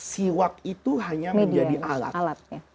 siwak itu hanya menjadi alat